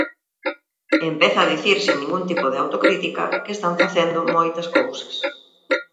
E empeza a dicir sen ningún tipo de autocrítica que están facendo moitas cousas.